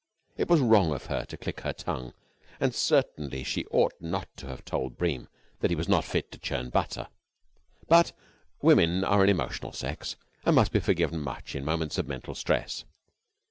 It was wrong of her to click her tongue, and certainly she ought not to have told Bream that he was not fit to churn butter. But women are an emotional sex and must be forgiven much in moments of mental stress.